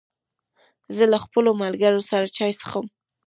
زه له خپلو ملګرو سره چای څښم.